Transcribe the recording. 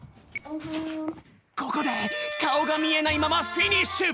ここでかおがみえないままフィニッシュ！